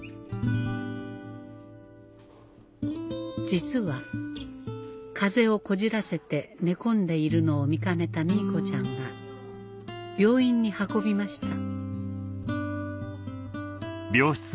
実は風邪をこじらせて寝込んでいるのを見かねたミーコちゃんが病院に運びました